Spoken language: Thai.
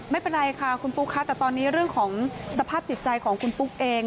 ไม่เป็นไรค่ะคุณปุ๊กคะแต่ตอนนี้เรื่องของสภาพจิตใจของคุณปุ๊กเอง